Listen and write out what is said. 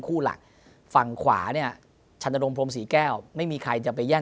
คู่หลักฝั่งขวาเนี่ยชันนรงพรมศรีแก้วไม่มีใครจะไปแย่ง